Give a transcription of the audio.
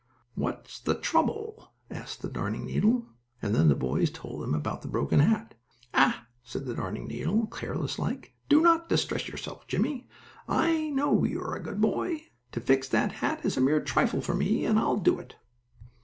"What is the trouble?" asked the darning needle, and then the boys told him about the broken hat. "Ah," said the darning needle, careless like, "do not distress yourself, Jimmie. I know you are a good boy. To fix that hat is a mere trifle for me, and I'll do it."